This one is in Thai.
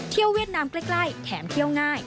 เวียดนามใกล้แถมเที่ยวง่าย